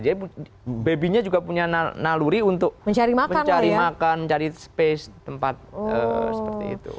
jadi babynya juga punya naluri untuk mencari makan mencari tempat seperti itu